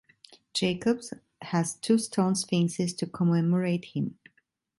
Jacobs has two stone sphinxes to commemorate him.